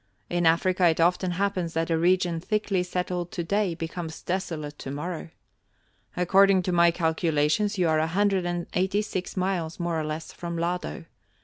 In Africa it often happens that a region thickly settled to day becomes desolate to morrow. According to my calculations you are a hundred and eighty six miles, more or less, from Lado.